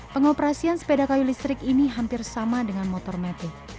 pengoperasian sepeda kayu listrik ini hampir sama dengan motor metik